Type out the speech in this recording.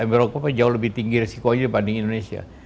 eropa jauh lebih tinggi risikonya dibanding indonesia